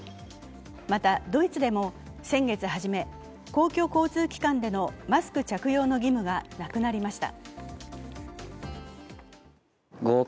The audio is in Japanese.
また、ドイツでも先月初め、公共交通機関でのマスク着用の義務がなくなりました。